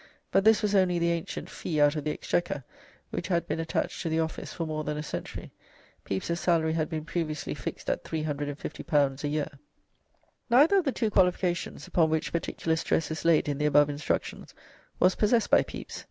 but this was only the ancient "fee out of the Exchequer," which had been attached to the office for more than a century. Pepys's salary had been previously fixed at L350 a year. Neither of the two qualifications upon which particular stress is laid in the above Instructions was possessed by Pepys.